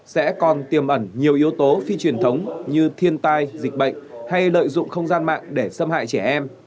sẽ còn tiềm ẩn nhiều yếu tố phi truyền thống như thiên tai dịch bệnh hay lợi dụng không gian mạng để xâm hại trẻ em